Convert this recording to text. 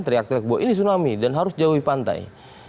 teriak teriak bahwa ini tsunami dan harus jauhi pantai